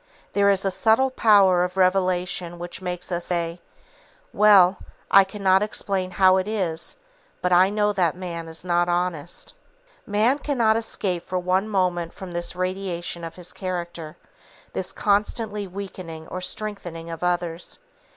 There is a subtle power of revelation which makes us say: "Well, I cannot explain how it is, but I know that man is not honest." Man cannot escape for one moment from this radiation of his character, this constantly weakening or strengthening of others.